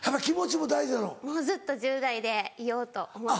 もうずっと１０代でいようと思って。